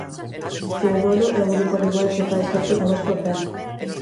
Que o humano é o único animal que cae sempre na mesma pedra.